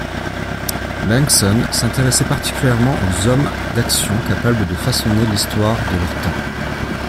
Bengtsson s'intéressait particulièrement aux hommes d'action capables de façonner l'histoire de leur temps.